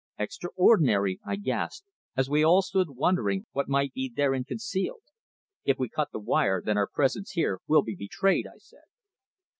"Extraordinary!" I gasped, as we all stood wondering what might be therein concealed. "If we cut the wire then our presence here will be betrayed," I said.